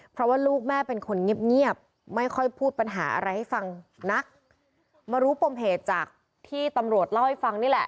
เพราะว่าลูกแม่เป็นคนเงียบเงียบไม่ค่อยพูดปัญหาอะไรให้ฟังนักมารู้ปมเหตุจากที่ตำรวจเล่าให้ฟังนี่แหละ